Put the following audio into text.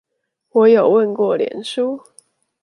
我有問過臉書